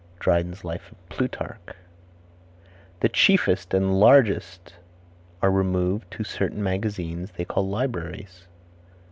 Dryden's Life of Plutarch. "The chiefest and largest are removed to certain magazines they call libraries."